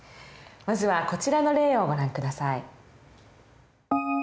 まずはこちらの例をご覧下さい。